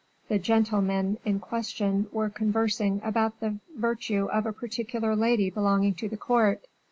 "The gentlemen in question were conversing about the virtue of a particular lady belonging to the court.